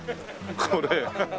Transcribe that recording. これ。